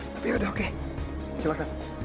tapi yaudah oke silakan